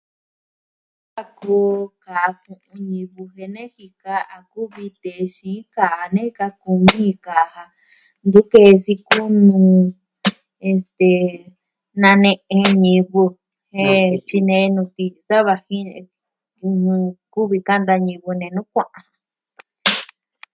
A kuu kaa ñivɨ jen nejika kuvi texii kaa ne kaa kumi kaa ja. Ntu kee sikɨ nuu, este... nane'e nivɨ. Jen tyinei nuu pizza vaji. Kuvi kanta ñivɨ nee nu kua'an.